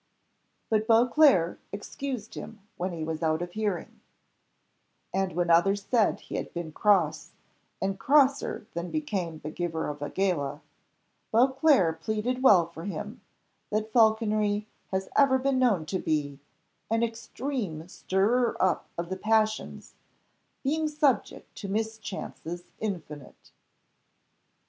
But Beauclerc excused him when he was out of hearing; and when others said he had been cross, and crosser than became the giver of a gala, Beauclerc pleaded well for him, that falconry has ever been known to be "an extreme stirrer up of the passions, being subject to mischances infinite."